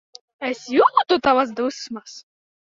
Es jūtu tavas dusmas.